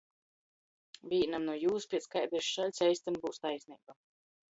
Vīnam nu jūs piec kaidys šaļts eistyn byus taisneiba.